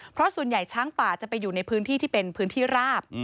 เพราะส่วนใหญ่ช้างป่าจะไปอยู่ในพื้นที่ที่เป็นพื้นที่ราบ